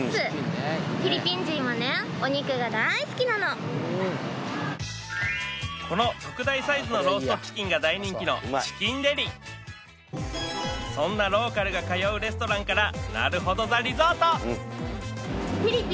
はいこの特大サイズのローストチキンが大人気のチキンデリそんなローカルが通うレストランからなるほど・ザ・リゾート！